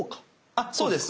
あそうです